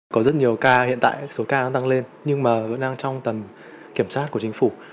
có rất nhiều ca hiện tại số ca đang tăng lên nhưng mà vẫn đang trong tầm kiểm soát của chính phủ